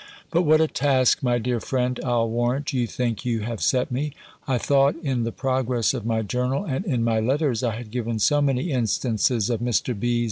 But what a task, my dear friend, I'll warrant, you think you have set me! I thought, in the progress of my journal, and in my letters, I had given so many instances of Mr. B.'